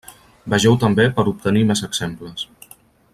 Vegeu també per obtenir més exemples.